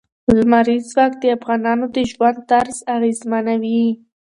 لمریز ځواک د افغانانو د ژوند طرز اغېزمنوي.